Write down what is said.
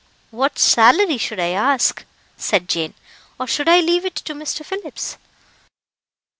"What salary should I ask?" said Jane; "or should I leave it to Mr. Phillips?"